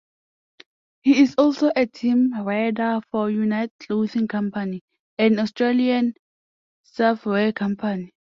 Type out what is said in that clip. He is also a team rider for Unite Clothing Company, an Australian surfwear company.